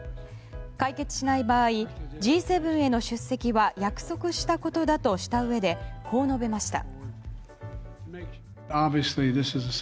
解決しない場合、Ｇ７への出席は約束したことだとしたうえでこう述べました。